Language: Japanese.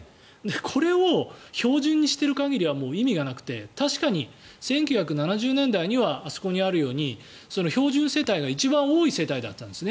これを標準にしている限りは意味がなくて確かに１９７０年代にはあそこにあるように標準世帯が一番多い世帯だったんですね。